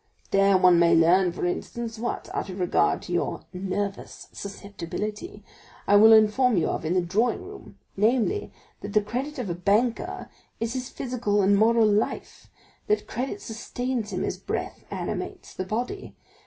There one may learn, for instance, what, out of regard to your nervous susceptibility, I will inform you of in the drawing room, namely, that the credit of a banker is his physical and moral life; that credit sustains him as breath animates the body; and M.